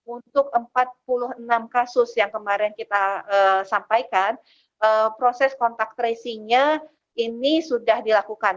untuk empat puluh enam kasus yang kemarin kita sampaikan proses kontak tracingnya ini sudah dilakukan